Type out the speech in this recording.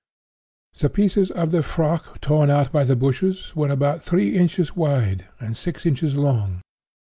'The pieces of the frock torn out by the bushes were about three inches wide and six inches long.